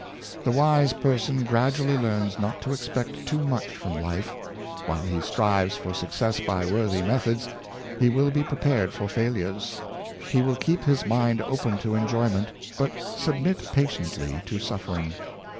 The wise person gradually learns not to expect too much from life. While he strives for success by worthy methods, he will be prepared for failures. He will keep his mind open to enjoyment, but submit patiently to suffering.